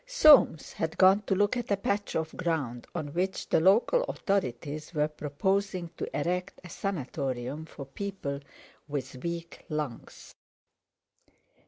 Soames had gone to look at a patch of ground on which the Local Authorities were proposing to erect a Sanatorium for people with weak lungs.